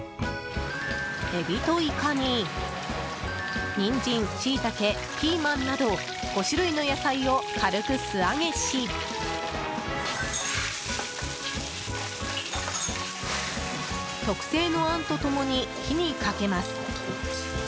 エビとイカにニンジン、シイタケピーマンなど５種類の野菜を軽く素揚げし特製のあんと共に火にかけます。